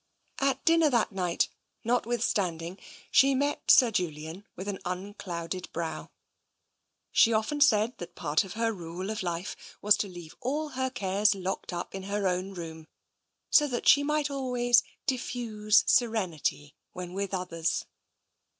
At dinner that night, notwithstanding, she met Sir Julian with an unclouded brow. She often said that part of her rule of life was to leave all her cares locked up in her own room, so that she might always diffuse serenity when with others.